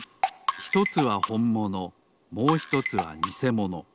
ひとつはほんものもうひとつはにせもの。